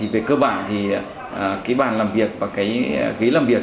về cơ bản thì cái bàn làm việc và cái ghế làm việc